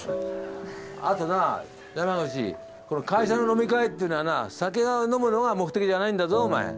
あとな山口会社の飲み会っていうのはな酒が飲むのが目的じゃないんだぞお前。